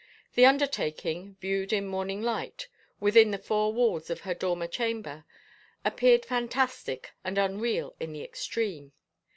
The undertaking, viewed in morning light, within the four walls of her dormer chamber, appeared fantastic and unreal in the extreme.